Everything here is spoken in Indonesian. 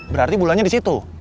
berarti bulannya di situ